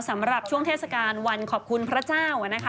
สำหรับช่วงเทศกาลวันขอบคุณพระเจ้านะคะ